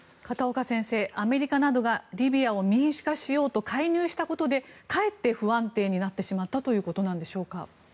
片岡先生、アメリカなどがリビアを民主化しようと介入したことでかえって不安定になってしまったということなんでしょうか。